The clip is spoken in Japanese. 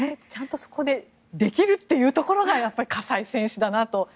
ちゃんとそこでできるというところがやっぱり葛西選手だなと。